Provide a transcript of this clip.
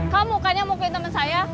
kamu kan yang mukulin temen saya